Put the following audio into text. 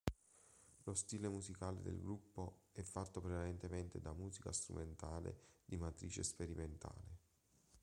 Lo stile musicale del gruppo è fatto prevalentemente da musica strumentale di matrice sperimentale.